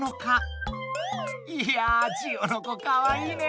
いやジオノコかわいいね。